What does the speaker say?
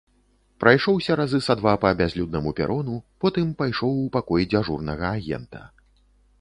Прайшоўся разы са два па бязлюднаму перону, потым пайшоў у пакой дзяжурнага агента.